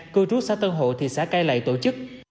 cư trú xã tân hộ thị xã cai lậy tổ chức